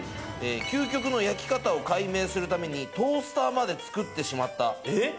究極の焼き方を解明するためにトースターまで作ってしまったえっ？